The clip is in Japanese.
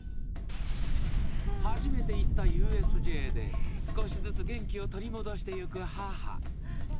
［初めて行ったＵＳＪで少しずつ元気を取り戻していく母］